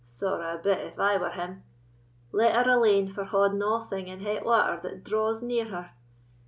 Sorra a bit, if I were him! Let her alane for hauding a'thing in het water that draws near her.